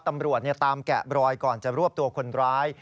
ตำรวจตามแกะบรอยก่อนจะรวบตัวคนร้าย